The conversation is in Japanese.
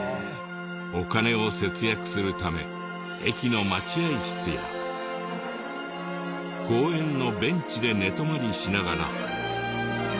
お金を節約するため駅の待合室や公園のベンチで寝泊まりしながら。